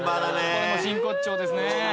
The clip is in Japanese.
これも真骨頂ですね。